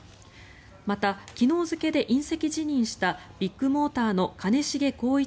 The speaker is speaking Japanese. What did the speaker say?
また、昨日付で引責辞任したビッグモーターの兼重宏一